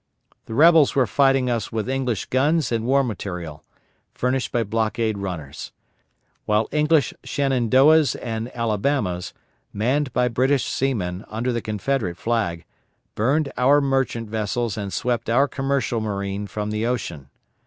The rebels were fighting us with English guns and war material, furnished by blockade runners; while English Shenandoahs and Alabamas, manned by British seamen, under the Confederate flag, burned our merchant vessels and swept our commercial marine from the ocean.